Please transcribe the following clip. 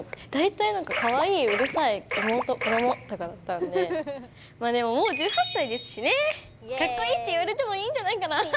大体「かわいい」「うるさい」「妹」「子供」とかだったんでまあでももう１８歳ですしね「かっこいい」って言われてもいいんじゃないかな？